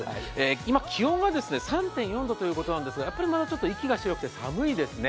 今気温が３．４度ということなんですがやっぱりまだちょっと息が白くて寒いですね。